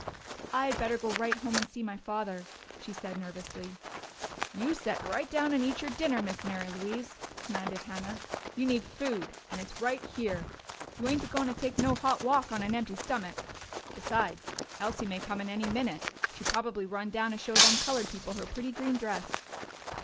"I had better go right home and see my father," she said nervously. "You set right down and eat your dinner, Miss Mary Louise!" commanded Hannah. "You need food and it's right here. You ain't a goin' to take no hot walk on an empty stomach! Besides, Elsie may come in any minute. She probably run down to show them colored people her pretty green dress."